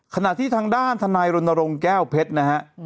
ขณะที่ทางด้านทนายรณรงค์แก้วเพชรนะฮะ